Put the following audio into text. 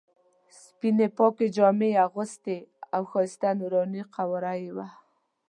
سپینې پاکې جامې یې اغوستې او ښایسته نوراني قواره یې وه.